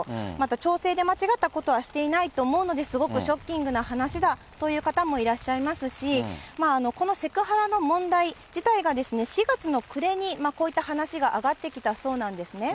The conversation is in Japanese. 町政で間違ったことはしていないと思うので、すごくショッキングな話だという方もいらっしゃいますし、このセクハラの問題自体が、４月の暮れにこういった話が上がってきたそうなんですね。